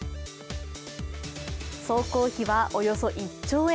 総工費は、およそ１兆円。